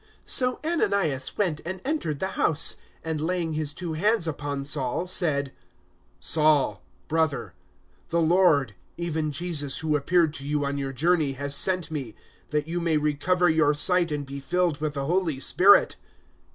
009:017 So Ananias went and entered the house; and, laying his two hands upon Saul, said, "Saul, brother, the Lord even Jesus who appeared to you on your journey has sent me, that you may recover your sight and be filled with the Holy Spirit."